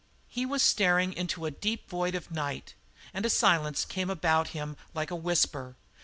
He was staring into a deep void of night; and a silence came about him like a whisper.